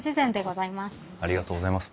ありがとうございます。